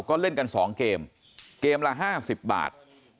ก็เล่นกัน๒เกมเกมละ๕๐บาท